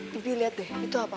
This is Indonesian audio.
pipi lihat deh itu apa